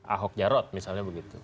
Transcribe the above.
ahok nyarod misalnya begitu